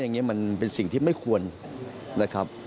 อย่างนี้มันเป็นสิ่งที่ไม่ควรนะครับ